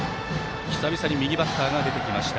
久々に右バッターが出てきました。